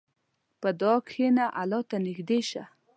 په دعا کښېنه، الله ته نږدې شه.